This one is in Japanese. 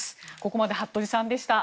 ここまで服部さんでした。